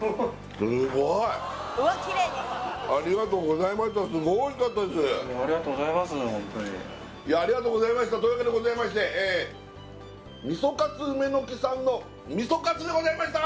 すごーいありがとうございましたというわけでございましてみそかつ梅の木さんのみそかつでございました！